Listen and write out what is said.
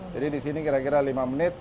jadi di sini kira kira lima menit